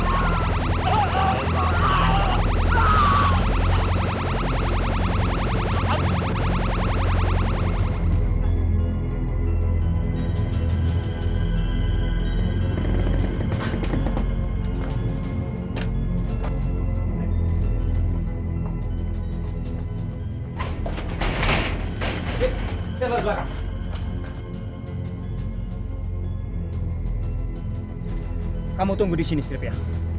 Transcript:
sampai jumpa di video selanjutnya